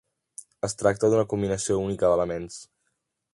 Es tracta d'una combinació única d'elements.